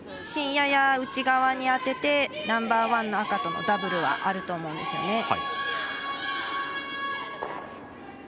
芯やや内側に当ててナンバーワンの赤とのダブルはあると思うんですよね。